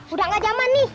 udah ga jaman nih